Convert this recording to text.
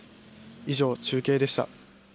以上、中継でした。